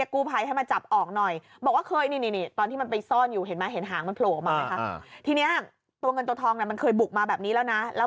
ใครจะสู้ใครค่ะ